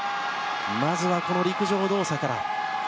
まずはこの陸上動作から。